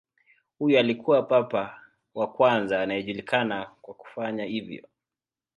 Huyu alikuwa papa wa kwanza anayejulikana kwa kufanya hivyo.